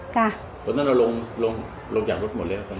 เพราะฉะนั้นเราลงจากรถหมดแล้ว